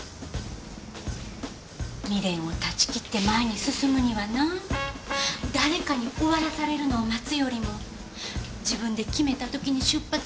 未練を断ち切って前に進むにはな誰かに終わらされるのを待つよりも自分で決めたときに出発するのが一番や。